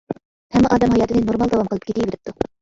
ھەممە ئادەم ھاياتىنى نورمال داۋام قىلىپ كېتىۋېرىپتۇ.